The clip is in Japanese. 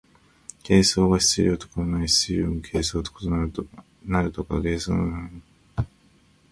形相が質料となり質料が形相となるとか、形相と質料とか形成の程度的差異とかというのではない。